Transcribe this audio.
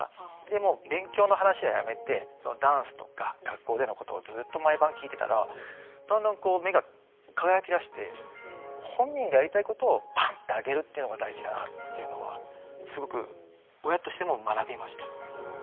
もう勉強の話はやめてそのダンスとか学校でのことをずっと毎晩聞いてたらだんだんこう目が輝きだして。というのが大事だなっていうのはすごく親としても学びました。